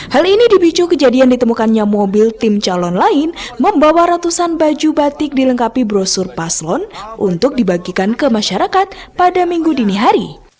hal ini dibicu kejadian ditemukannya mobil tim calon lain membawa ratusan baju batik dilengkapi brosur paslon untuk dibagikan ke masyarakat pada minggu dini hari